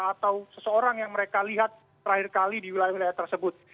atau seseorang yang mereka lihat terakhir kali di wilayah wilayah tersebut